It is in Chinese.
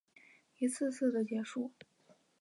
一次次的结束